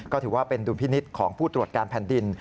ก็ถือว่าเป็นดุลพินิษฐ์ของผู้ตรวจการแผ่นดิน